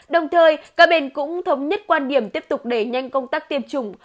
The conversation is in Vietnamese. đồng thời các bên cũng thống nhất quan điểm tiếp tục đẩy nhanh công tác tiêm chủng